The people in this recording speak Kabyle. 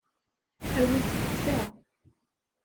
Awit ta.